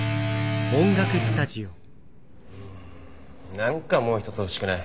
何かもう一つ欲しくない？